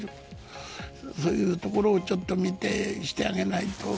そういうところをちょっと見てしてあげないと。